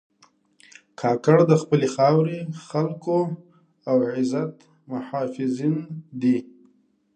کاکړ د خپلې خاورې، خلکو او عزت محافظین دي.